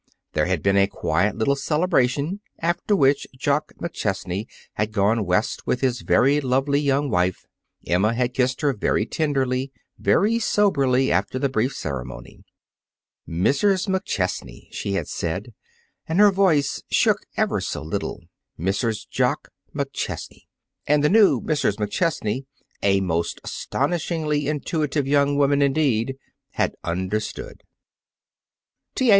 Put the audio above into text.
There had been a quiet little celebration, after which Jock McChesney had gone West with his very lovely young wife. Emma had kissed her very tenderly, very soberly after the brief ceremony. "Mrs. McChesney," she had said, and her voice shook ever so little; "Mrs. Jock McChesney!" And the new Mrs. McChesney, a most astonishingly intuitive young woman indeed, had understood. T. A.